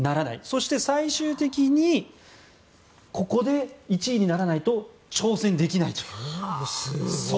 そして、最終的にここで１位にならないと挑戦できないという。